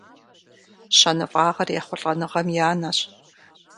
Щэныфӏагъэр ехъулӏэныгъэм и анэщ.